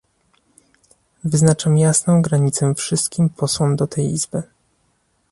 Wyznaczam jasną granicę wszystkim posłom do tej Izby